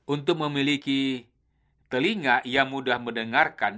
untuk memiliki telinga yang mudah mendengarkan